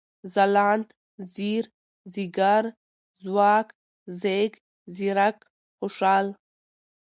ځلاند ، ځير ، ځيگر ، ځواک ، ځيږ ، ځيرک ، خوشال